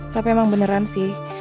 tapi emang beneran sih